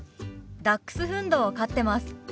ダックスフンドを飼ってます。